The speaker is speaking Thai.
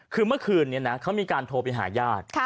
คือเมื่อคืนนี้นะเขามีการโทรไปหาญาติ